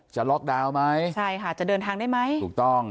ล็อกดาวน์ไหมใช่ค่ะจะเดินทางได้ไหมถูกต้อง